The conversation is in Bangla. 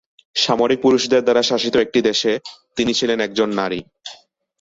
সামরিক পুরুষদের দ্বারা শাসিত একটি দেশে, তিনি ছিলেন একজন নারী।